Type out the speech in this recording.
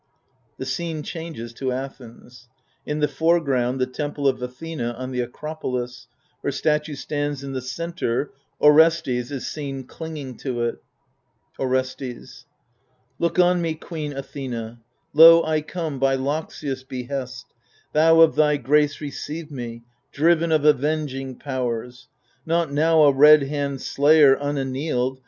The scene changes to Athens, In the foreground^ the Temple of Athena on the Acropolis; her statue stands in the centre; Orestes is seen clinging to it, Orestes Look on me, queen Athena ; lo, I come By Loxias' behest ; thou of thy grace Receive me, driven of avenging powers — Not now a red hand slayer unannealed.